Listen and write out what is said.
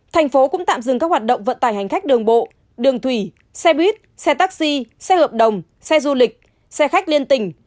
thành phố cũng tạm dừng các hoạt động vận tải hành khách đường bộ đường thủy xe buýt xe taxi xe hợp đồng xe du lịch xe khách liên tỉnh